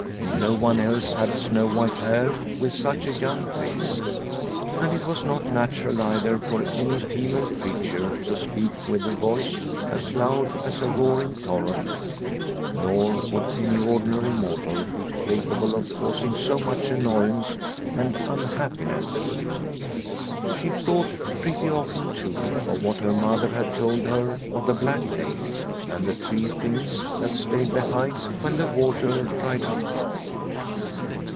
No one else had snow 191 192 Liliecrona's Home white hair with such a young face, and it was not natural either for any female creature to speak with a voice as loud as a roaring torrent, nor would any ordinary mortal be capable of causing so much annoyance and unhappiness. She thought pretty often, too, of what her mother had told her of the Black Lake and the three things that stayed behind when the water dried up.